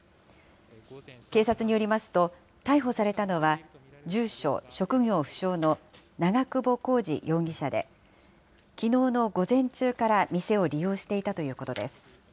警察によりますと、逮捕されたのは、住所・職業不詳の長久保浩二容疑者で、きのうの午前中から店を利用していたということです。